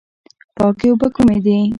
پاکې اوبه کومې دي؟